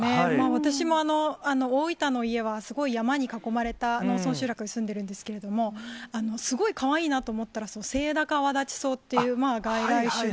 私も大分の家は、すごい山に囲まれた農村集落に住んでるんですけれども、すごいかわいいなと思ったのは、セイタカアワダチソウっていう外来種。